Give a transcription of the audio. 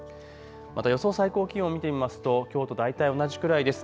また予想最高気温見てみますときょうと大体同じくらいです。